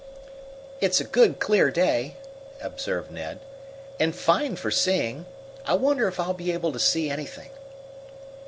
"It's a good clear day," observed Ned, "and fine for seeing. I wonder if I'll be able to see anything."